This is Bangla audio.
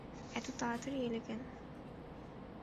এত তাড়াতাড়ি এলে কেন?